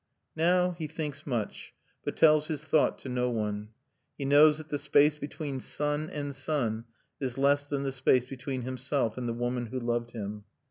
Now he thinks much, but tells his thought to no one. He knows that the space between sun and sun is less than the space between himself and the woman who loved him.